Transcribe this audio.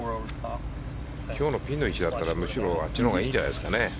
今日のピンの位置だったらむしろあっちのほうがいいんじゃないですかね。